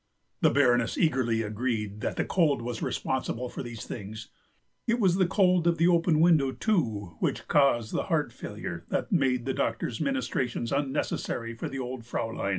The Baroness eagerly agreed that the cold was responsible for these things. It was the cold of the open window, too, which caused the heart failure that made the doctor's ministrations unnecessary for the old Fraulein.